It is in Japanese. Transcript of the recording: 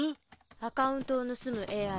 アカウントを盗むＡＩ。